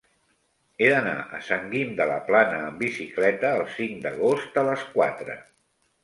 He d'anar a Sant Guim de la Plana amb bicicleta el cinc d'agost a les quatre.